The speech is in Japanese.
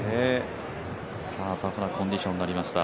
タフなコンディションになりました。